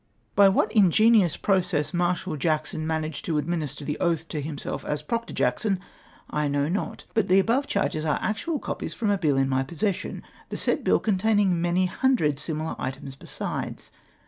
By what ingenious process Marshal Jackson managed to administer the oath to himself as Proctor Jackson I Imow not, bnt the above charges are actual copies from a bill in my possession, the said bill contcaining many hundred similar items besides.